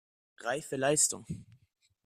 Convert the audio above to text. Reife Leistung!